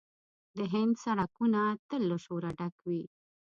د هند سړکونه تل له شوره ډک وي.